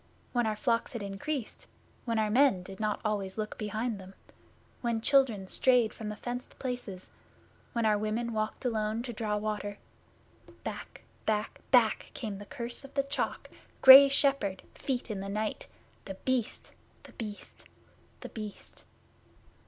When our flocks had increased; when our men did not always look behind them; when children strayed from the fenced places; when our women walked alone to draw water back, back, back came the Curse of the Chalk, Grey Shepherd, Feet in the Night The Beast, The Beast, The Beast!